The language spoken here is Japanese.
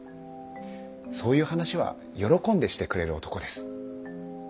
そういう話は喜んでしてくれる男です。